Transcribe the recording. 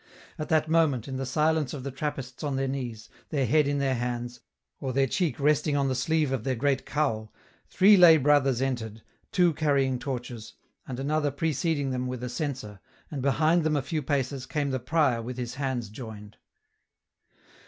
At that moment, in the silence of the Trappists on their knees, their head in their hands, or their cheek resting on the sleeve of their great cowl, three lay brothers entered, two carrying torches, and another preceding them with a censer, and behind them a few paces, came the prior with his hands joined.